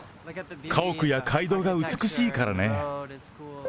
家屋や街道が美しいからね。